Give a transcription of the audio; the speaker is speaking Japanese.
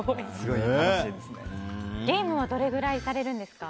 ゲームはどれぐらいされるんですか。